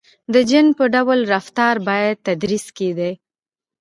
• د جن په ډول رفتار باید تدریس کېدای.